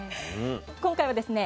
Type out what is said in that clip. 今回はですね